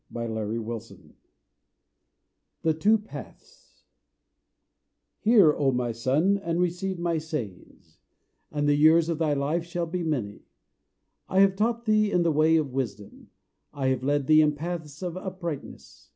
Archibald Lampman THE TWO PATHS Hear, O my son, and receive my sayings; And the years of thy life shall be many. I have taught thee in the way of wisdom; I have led thee in paths of uprightness.